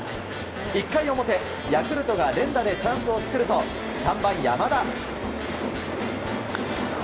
１回表、ヤクルトが連打でチャンスを作ると３番、山田。